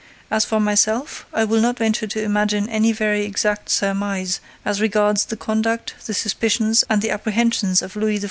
As for myself, I will not venture to imagine any very exact surmise as regards the conduct, the suspicions, and the apprehensions of Louis XIV.